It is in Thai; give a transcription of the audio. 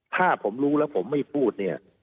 ถ้าผมรู้แล้วผมไม่พูดเนี่ย